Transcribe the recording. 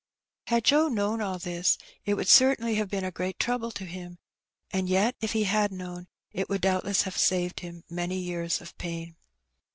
Had Joe known all this, it would certainly have been a great trouble to him, and yet if he had known, it would doubtless have saved him many years of pain.